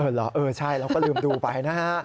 เหรอเออใช่เราก็ลืมดูไปนะฮะ